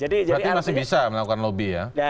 berarti masih bisa melakukan lobby ya